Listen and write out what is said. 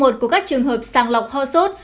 của các trường hợp sàng lọc ho sốt